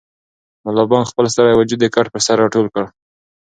ملا بانګ خپل ستړی وجود د کټ پر سر راټول کړ.